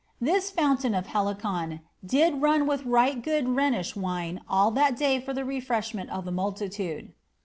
This fountain of Helicon ^did run with right good Rhenish wine all that day for the refreshment of the multitude."